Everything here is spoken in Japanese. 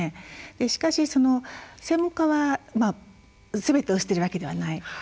しかし、専門家はすべてを知っているわけではない。